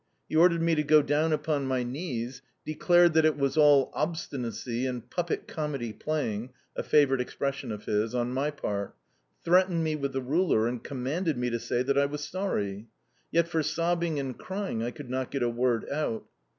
He ordered me to go down upon my knees, declared that it was all obstinacy and "puppet comedy playing" (a favourite expression of his) on my part, threatened me with the ruler, and commanded me to say that I was sorry. Yet for sobbing and crying I could not get a word out.